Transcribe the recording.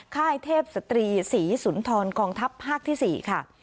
ไข้เทพศตรีศรีศูนธรคองทัพภาคที่๔ค่ะ